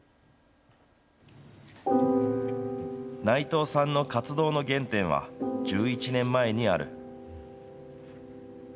内藤さんの活動の原点は、１１年前にある。